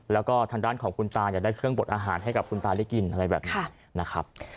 แล้วก็ทางด้านของคุณตาอยากได้เครื่องบดอาหารให้กับคุณตาได้กินอะไรแบบนี้นะครับ